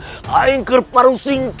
aku akan membalas mereka